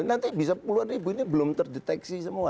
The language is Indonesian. nanti bisa puluhan ribu ini belum terdeteksi semua